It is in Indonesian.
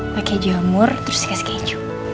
pakai jamur terus dikasih keju